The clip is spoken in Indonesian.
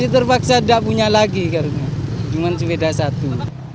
terpaksa tidak punya lagi karena cuma sepeda satu